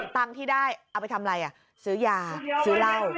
ตังค์ที่ได้เอาไปทำอะไรซื้อยาซื้อเหล้า